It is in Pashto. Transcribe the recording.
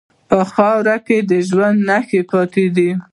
په خاوره کې د ژوند نښې پاتې دي.